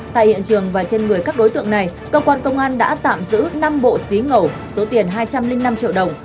tại hiện trường và trên người các đối tượng này cơ quan công an đã tạm giữ năm bộ xí ngầu số tiền hai trăm linh năm triệu đồng